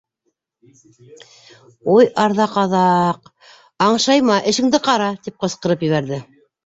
— Уй, арҙа ҡаҙаҡ, аңшайма, эшеңде ҡара! — тип ҡысҡырып ебәрҙе.